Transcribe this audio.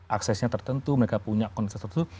aksesnya tertentu mereka punya konser tertentu